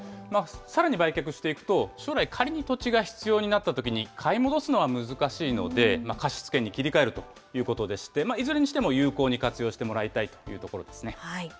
さらに売却していくと、将来、仮に土地が必要になったときに買い戻すのは難しいので、貸し付けに切り替えるということでして、いずれにしても有効に活用してもらいたいというところですね。